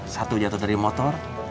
satu jatuh dari motor